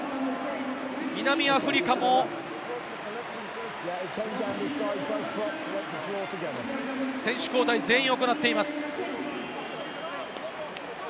南アフリカも選手交代を全員行っています。